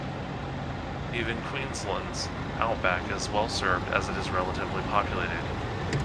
Even Queensland's outback is well served as it is relatively populated.